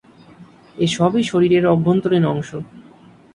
এ সবই শরীরের অভ্যন্তরীন অংশ।